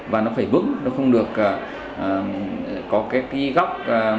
và nó phải vững nó không được có cái góc